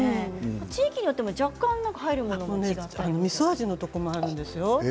地域によっても若干入るものが違ったりみそ味のところもあるんですよ。